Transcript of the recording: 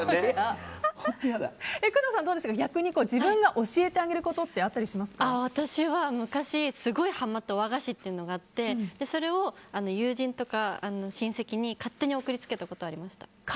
工藤さん、逆に自分が教えてあげることって私は昔すごいハマった和菓子があってそれを友人とか親戚に勝手に送りつけたことがありました。